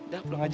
udah pulang aja